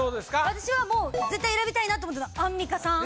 私はもう絶対選びたいなと思ってたアンミカさん